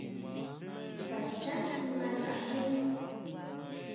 ¿Kjua xhán kjimá taáxin?